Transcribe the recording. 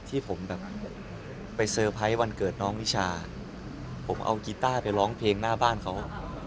ที่ผมแบบไปเซอร์ไพรส์วันเกิดน้องนิชาผมเอากีต้าไปร้องเพลงหน้าบ้านเขา